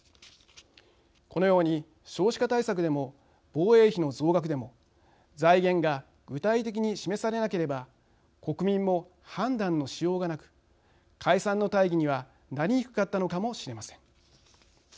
このように少子化対策でも防衛費の増額でも財源が具体的に示されなければ国民も判断のしようがなく解散の大義にはなりにくかったのかもしれません。